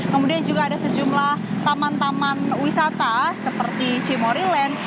kemudian juga ada sejumlah taman taman wisata seperti cimori land